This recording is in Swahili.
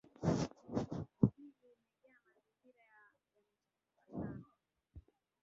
Mji umejaa mazingira yamechafuka sana